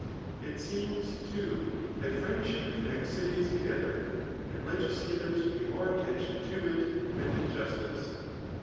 It seems, too, that friendship connects cities together ; and legislators pay more attention to it than to justice.